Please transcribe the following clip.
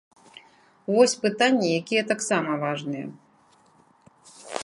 Вось пытанні, якія таксама важныя.